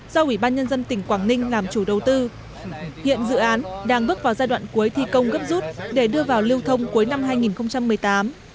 do ủy ban nhân dân tỉnh quảng ninh làm chủ đầu tư hiện dự án đang bước vào giai đoạn cuối thi công gấp rút để đưa vào lưu thông cuối năm hai nghìn một mươi tám